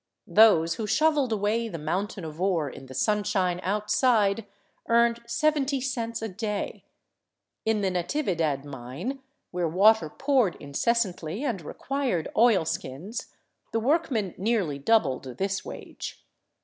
Those who shoveled away the mountain of ore in the sunshine outside earned seventy cents a day; in the Natividad mine, where water poured in cessantly and required oilskins, the workmen nearly doubled this wage.